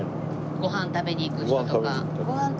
ご飯食べに行く人。